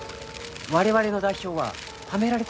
我々の代表ははめられたんです。